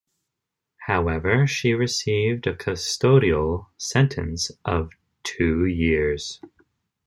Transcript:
However she received a custodial sentence of two years.